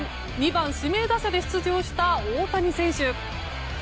２番指名打者で出場した大谷選手。